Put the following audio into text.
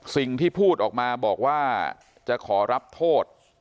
สิ่งที่พูดออกมาบอกว่าจะขอรับโทษ